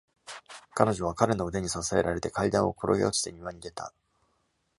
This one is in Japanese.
彼女は彼の腕に支えられて階段を転げ落ちて庭に出た。